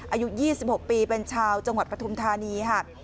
อายุ๒๖ปีเป็นชาวจังหวัดปฐุมธานีค่ะ